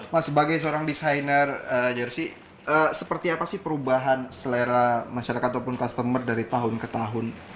mas sebagai seorang desainer jersey seperti apa sih perubahan selera masyarakat ataupun customer dari tahun ke tahun